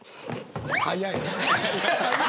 早い。